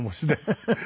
フフフフ。